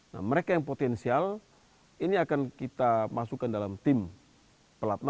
nah mereka yang potensial ini akan kita masukkan dalam tim pelatnas